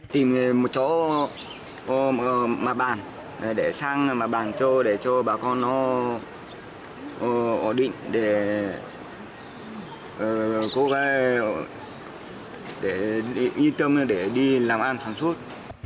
tìm một chỗ mặt bàn để sang mặt bàn cho bà con nó ổn định để cố gắng để đi làm ăn sản xuất